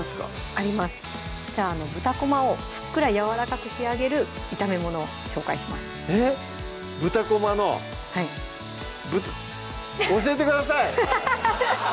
ありますじゃあ豚こまをふっくらやわらかく仕上げる炒め物紹介しますえっ豚こまのぶっ教えてください！